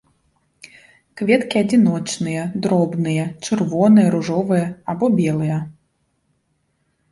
Кветкі адзіночныя, дробныя, чырвоныя, ружовыя або белыя.